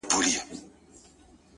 اوس نه راکوي راته پېغور باڼه’